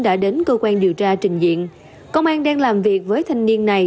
đã đến cơ quan điều tra trình diện công an đang làm việc với thanh niên này